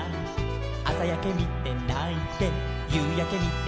「あさやけみてないてゆうやけみてないて」